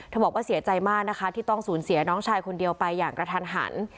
บอกว่าเสียใจมากนะคะที่ต้องสูญเสียน้องชายคนเดียวไปอย่างกระทันหัน